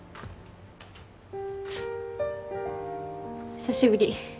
・久しぶり。